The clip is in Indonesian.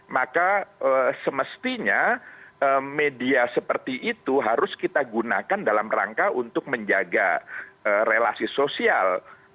maka semestinya media seperti itu harus kita gunakan dalam rangka untuk menjaga relasi sosial